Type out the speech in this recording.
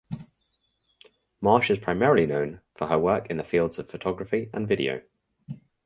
Marsh is primarily known for her work in the fields of photography and video.